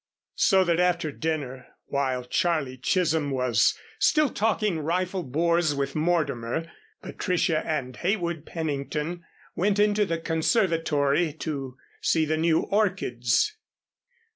So that after dinner, while Charlie Chisolm was still talking rifle bores with Mortimer, Patricia and Heywood Pennington went into the conservatory to see the new orchids.